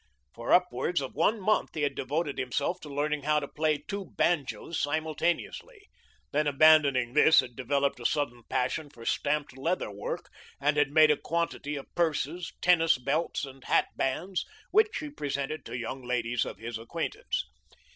For upwards of one month he had devoted himself to learning how to play two banjos simultaneously, then abandoning this had developed a sudden passion for stamped leather work and had made a quantity of purses, tennis belts, and hat bands, which he presented to young ladies of his acquaintance.